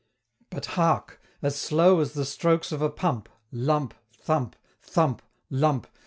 But hark; as slow as the strokes of a pump, Lump, thump! Thump, lump!